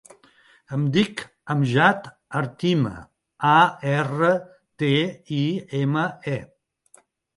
Em dic Amjad Artime: a, erra, te, i, ema, e.